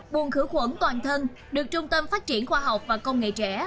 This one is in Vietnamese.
buồn khử khuẩn toàn thân được trung tâm phát triển khoa học và công nghệ trẻ